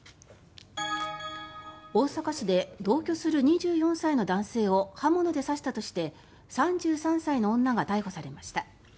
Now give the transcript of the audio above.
大阪市で同居する２４歳の男性を刃物で刺したとして３３歳の女が逮捕されました。